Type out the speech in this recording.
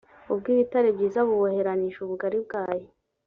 ubw ibitare byiza buboheranije ubugari bwayo